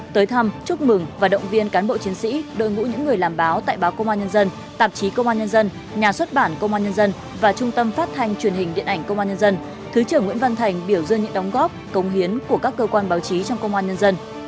tới thăm chúc mừng và động viên cán bộ chiến sĩ đội ngũ những người làm báo tại báo công an nhân dân tạp chí công an nhân dân nhà xuất bản công an nhân dân và trung tâm phát thanh truyền hình điện ảnh công an nhân dân thứ trưởng nguyễn văn thành biểu dương những đóng góp công hiến của các cơ quan báo chí trong công an nhân dân